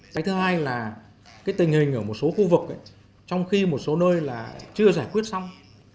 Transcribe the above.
cái thứ hai là cái tình hình ở một số khu vực trong khi một số nơi là chưa giải quyết xong